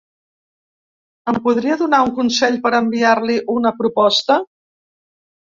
Em podria donar un consell per enviar-li una proposta?